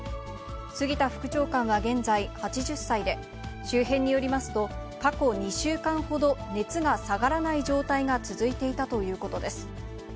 杉田副長官は現在８０歳で、周辺によりますと、過去２週間ほど熱が下がらない状態が続いていたということです。